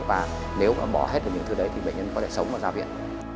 và nếu mà bỏ hết được những thứ đấy thì bệnh nhân có thể sống và ra viện